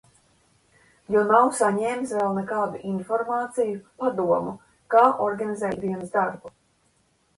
Jo nav saņēmis vēl nekādu informāciju, padomu, kā organizēt ikdienas darbu.